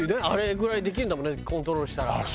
あれぐらいできるんだもんねコントロールしたら。